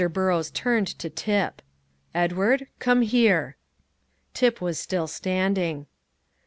Burrows turned to Tip. "Edward, come here." Tip was still standing.